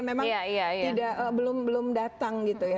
memang belum datang gitu ya